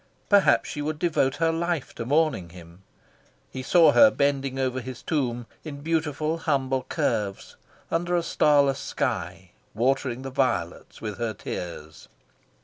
Perhaps she would devote her life to mourning him. He saw her bending over his tomb, in beautiful humble curves, under a starless sky, watering the violets with her tears.